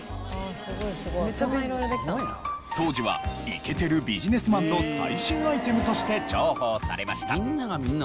当時はイケてるビジネスマンの最新アイテムとして重宝されました。